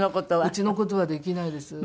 うちの事はできないです。